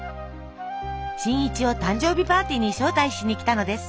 新一を誕生日パーティーに招待しに来たのです。